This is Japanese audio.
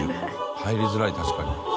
入りづらい確かに。